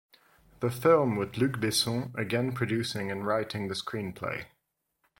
The film with Luc Besson again producing and writing the screenplay.